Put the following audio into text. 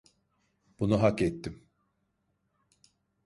Bunu hak ettim.